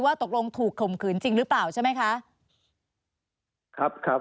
ว่าตกลงถูกขมขืนจริงหรือเปล่าใช่ไหมคะ